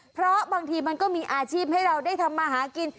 เพราะบางทีมันก็มีอาชีพให้เราได้ทำมาหากิน